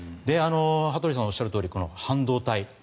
羽鳥さんがおっしゃるとおりこの半導体。